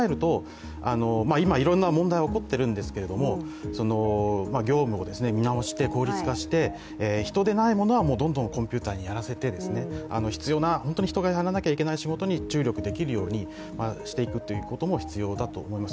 今、いろんな問題が起こっているんですけど、業務を見直して効率化して、人でないものはどんどんコンピューターにやらせて必要な、本当に人がやらなきゃいけない仕事に注力していくことも必要だと思います。